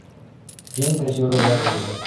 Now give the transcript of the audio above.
Jen creció rodeada de música.